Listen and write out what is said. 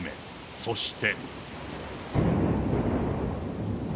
そして。